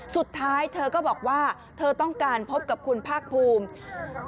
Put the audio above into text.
เธอก็บอกว่าเธอต้องการพบกับคุณภาคภูมิ